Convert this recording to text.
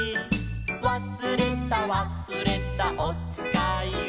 「わすれたわすれたおつかいを」